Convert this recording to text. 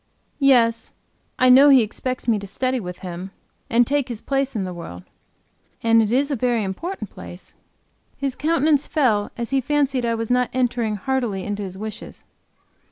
"Yes, I know he expects me to study with him, and take his place in the world." "And it is a very important place." His countenance fell as he fancied I was not entering heartily into his wishes.